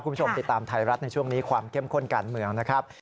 คุณผู้ชมติดตามไทยรัฐในช่วงนี้ความเข้มข้นการเมืองนะครับ